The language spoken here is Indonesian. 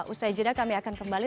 usai jeda kami akan kembali